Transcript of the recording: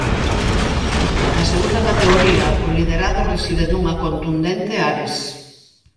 Na segunda categoría, o liderado reside nunha contundente Ares.